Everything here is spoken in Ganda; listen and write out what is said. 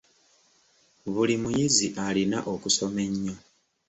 Buli muyizi alina okusoma ennyo.